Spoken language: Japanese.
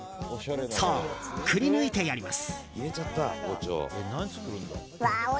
そう、くりぬいてやります。